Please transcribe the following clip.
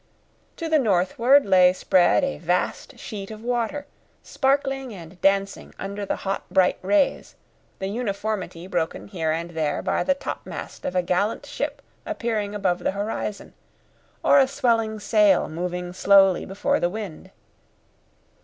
To the northward lay spread a vast sheet of water, sparkling and dancing under the hot, bright rays, the uniformity broken here and there by the topmast of a gallant ship appearing above the horizon, or a swelling sail moving slowly before the wind.